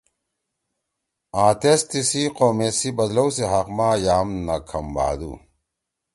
آں تیس تی سی قومیت سی بدلؤ سی حق ما یام نہ کھم بھادُو۔